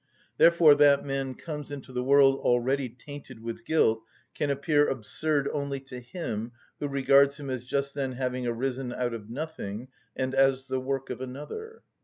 Therefore that man comes into the world already tainted with guilt can appear absurd only to him who regards him as just then having arisen out of nothing and as the work of another.